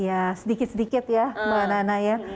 ya sedikit sedikit ya mbak nana ya